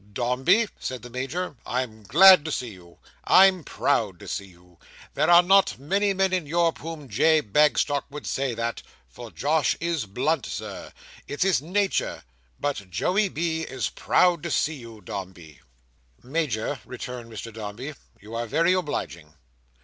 "Dombey," said the Major, "I'm glad to see you. I'm proud to see you. There are not many men in Europe to whom J. Bagstock would say that—for Josh is blunt. Sir: it's his nature—but Joey B. is proud to see you, Dombey." "Major," returned Mr Dombey, "you are very obliging."